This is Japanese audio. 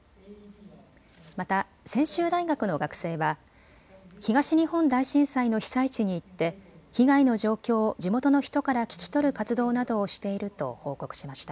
また専修大学の学生は東日本大震災の被災地に行って被害の状況を地元の人から聞き取る活動などをしていると報告しました。